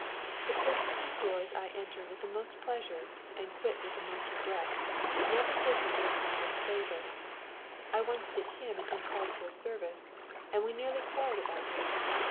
The person whose doors I enter with most pleasure, and quit with most regret, never did me the smallest favour. I once did him an uncalled for service, and we nearly quarrelled about it.